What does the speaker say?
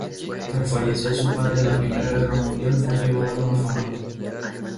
Tras fallecer su padre en la primera guerra mundial, fue llevada a un orfanato.